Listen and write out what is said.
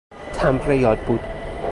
تمبر یادبود